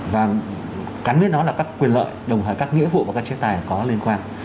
và cắn biết nó là các quyền lợi đồng thời các nghĩa vụ và các chế tài có liên quan